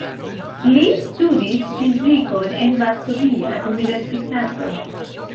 Li studis fizikon en Varsovia Universitato.